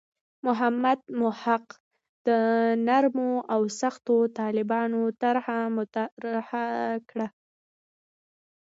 محمد محق د نرمو او سختو طالبانو طرح مطرح کړه.